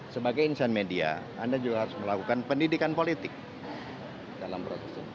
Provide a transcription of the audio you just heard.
sebagai insan media anda juga harus melakukan pendidikan politik dalam proses itu